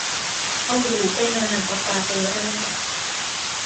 เอาหูไปนา เอาตาไปไร่